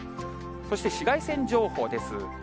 そして、紫外線情報です。